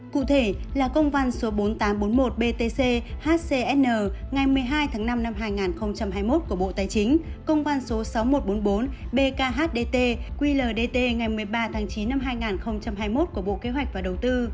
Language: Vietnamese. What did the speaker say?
cụ thể là công văn số bốn nghìn tám trăm bốn mươi một btc hcn ngày một mươi hai tháng năm năm hai nghìn hai mươi một của bộ tài chính công văn số sáu nghìn một trăm bốn mươi bốn bkhdt qldtt ngày một mươi ba tháng chín năm hai nghìn hai mươi một của bộ kế hoạch và đầu tư